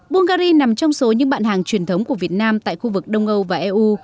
bungary nằm trong số những bạn hàng truyền thống của việt nam tại khu vực đông âu và eu